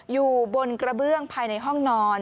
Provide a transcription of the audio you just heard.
อยู่บนกระเบื้องภายในห้องนอน